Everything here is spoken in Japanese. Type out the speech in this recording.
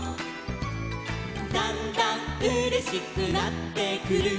「だんだんうれしくなってくる」